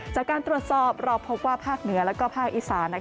จากการตรวจสอบเราพบว่าภาคเหนือและภาคอีสาน